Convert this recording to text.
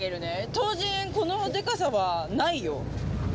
トウジンこのでかさはないよ。